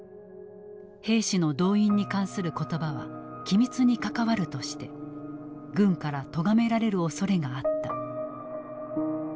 兵士の動員に関する言葉は機密に関わるとして軍からとがめられるおそれがあった。